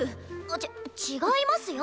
ち違いますよ。